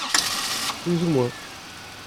plus ou moins.